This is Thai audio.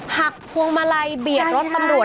พวงมาลัยเบียดรถตำรวจ